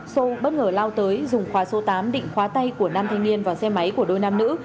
xô bất ngờ lao tới dùng khóa số tám định khóa tay của nam thanh niên vào xe máy của đôi nam nữ